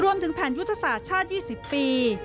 รวมถึงแผนยุทธศาสตร์ชาติ๒๐ปี